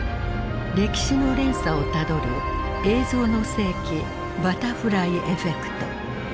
歴史の連鎖をたどる「映像の世紀バタフライエフェクト」。